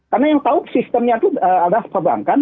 karena yang tahu sistemnya itu adalah perbankan